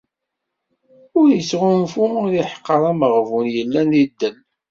Ur ittɣunfu, ur iḥeqqer ameɣbun yellan di ddel.